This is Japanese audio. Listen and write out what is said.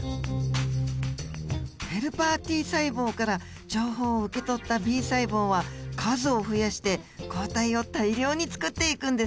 ヘルパーＴ細胞から情報を受け取ったＢ細胞は数を増やして抗体を大量につくっていくんですね。